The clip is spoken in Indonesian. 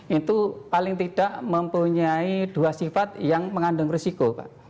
itu paling tidak mempunyai dua sifat yang mengandung risiko